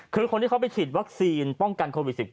คือคนที่เขาไปฉีดวัคซีนป้องกันโควิด๑๙